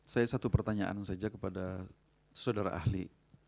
saya satu pertanyaan saja kepada saudara ahli